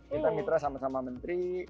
kita mitra sama sama menteri